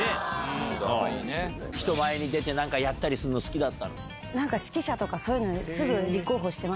人前に出て何かやったりするの好きだったの？